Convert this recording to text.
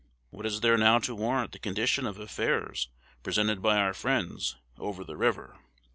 _ What is there now to warrant the condition of affairs presented by our friends 'over the river'?